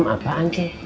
enam apaan cek